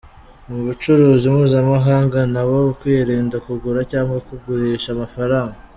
ubucuruzi mpuzamahanga nabo kwirinda kugura cyangwa kugurisha amafaranga